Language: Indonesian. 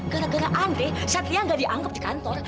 gara gara andre satya nggak dianggap di kantor